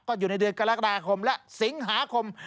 ก็อยู่ในเดือนกรกฎาคมและสิงหาคม